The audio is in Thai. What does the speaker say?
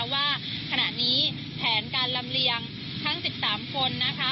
ว่าขณะนี้แผนการลำเลียงทั้ง๑๓คนนะคะ